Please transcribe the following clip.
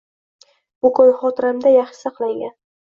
Bu kun xotiramda yaxshi saqlangan.